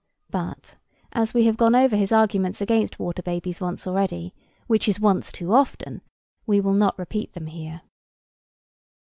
But, as we have gone over his arguments against water babies once already, which is once too often, we will not repeat them here.